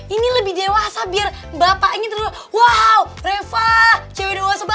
ini lebih dewasa biar bapaknya terlalu wow reva